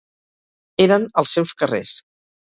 Eren els seus carrers.